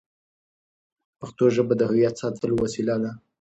پښتو ژبه د هویت ساتلو وسیله ده.